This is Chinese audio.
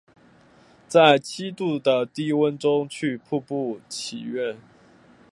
在七度的低温中去瀑布祈愿